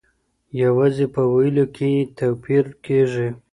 یوازې په ویلو کي یې توپیر کیږي.